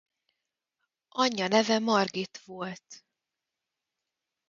Anyja neve Margit volt.